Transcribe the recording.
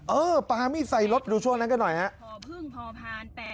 เออปาไม่ใสรถดูช่วงนั้นก็หน่อยฮะ